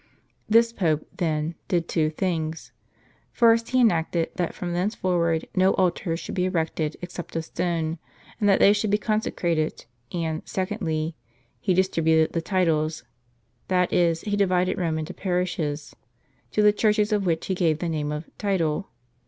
This Pope, then, did two things. First, he enacted that from thenceforward no altars should be erected except of stone, and that they should be consecrated; and secondly, "he distributed the titles ;^^ that is, he divided Rome into par ishes, to the churches of which he gave the name of "title."